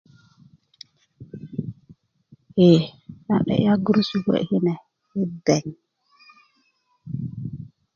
ye nan 'delya gurusu kuwe kune i beŋ